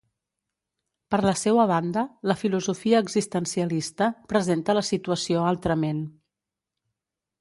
Per la seua banda, la filosofia existencialista presenta la situació altrament.